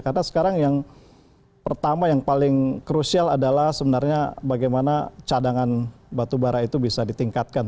karena sekarang yang pertama yang paling crucial adalah sebenarnya bagaimana cadangan batu bara itu bisa ditingkatkan